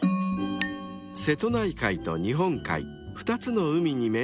［瀬戸内海と日本海二つの海に面する兵庫県］